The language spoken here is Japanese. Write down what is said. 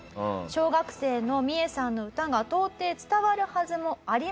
小学生のミエさんの歌が到底伝わるはずもありません。